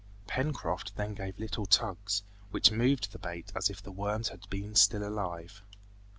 Pencroft then gave little tugs which moved the bait as if the worms had been still alive.